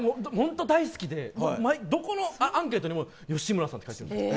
ホント大好きでどこのアンケートにも「吉村さん」って。